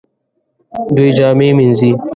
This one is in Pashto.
دوی جامې مینځي